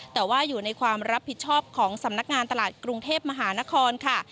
แต่ว่าอยู่ในความรับผิดชอบของสำนักงานตลาดกรุงเทพมหานครค่ะ